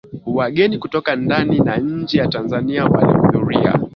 Wageni kutoka ndani na nje ya Tanzania walihudhuria